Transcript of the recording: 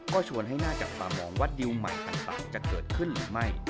ก็ชวนให้น่าจับตามองว่าดิวใหม่ต่างจะเกิดขึ้นหรือไม่